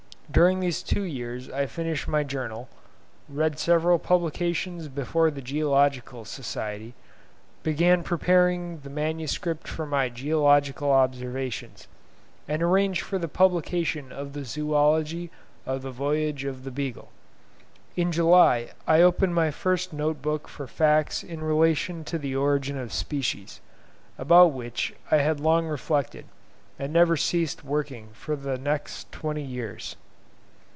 During these two years I finished my Journal, read several papers before the Geological Society, began preparing the MS. for my 'Geological Observations,' and arranged for the publication of the 'Zoology of the Voyage of the "Beagle".' In July I opened my first note book for facts in relation to the Origin of Species, about which I had long reflected, and never ceased working for the next twenty years.